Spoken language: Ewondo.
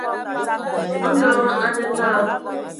Ndɔ hm a nə naa.